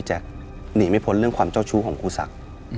หนีไม่พ้นเรื่องความเจ้าชู้ของครูศักดิ์